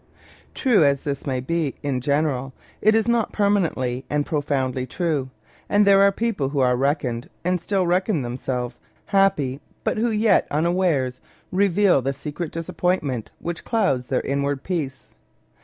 True as this may be in general, it is not permanently and profoundly true, and there are people who are reckoned, and still reckon themselves, happy, but who yet unawares reveal the secret disappointment which clouds their inward peace.